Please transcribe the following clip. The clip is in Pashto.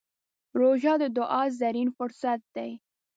روژه د دعا زرين فرصت دی.